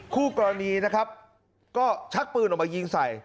คู่กรณีนะครับก็ชักปืนออกมายิงใส่